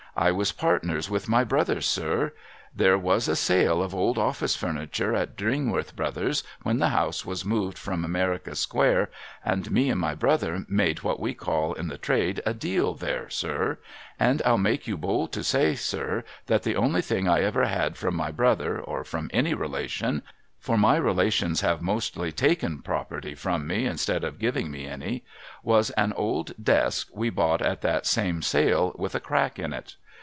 I was partners with my brother, sir. There was a sale of old office furniture at Dringworth Brothers' when die house was moved from America square, and me and my brother made what we call in the trade a Deal there, sir. And I'll make bold to say, sir, that the only thing I ever had from my brother, or from any relation, — for my relations have mostly taken property from me instead of giving me any, — ^was an old desk we bought at that same sale, with a crack in it.